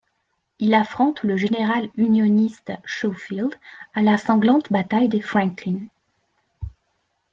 Il affronte le général unioniste Schofield à la sanglante bataille de Franklin.